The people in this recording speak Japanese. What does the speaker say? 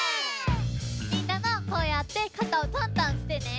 みんなもこうやってかたをトントンしてね。